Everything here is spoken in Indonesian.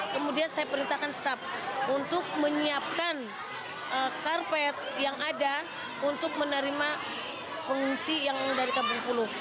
kemudian saya perintahkan staff untuk menyiapkan karpet yang ada untuk menerima pengungsi yang dari kampung pulau